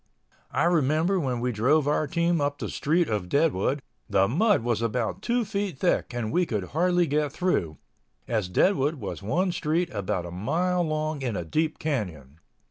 I remember when we drove our team up the street of Deadwood the mud was about two feet deep and we could hardly get through, as Deadwood was one street about a mile long in a deep canyon.